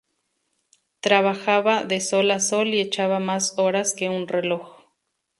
Trabajaba de sol a sol y echaba más horas que un reloj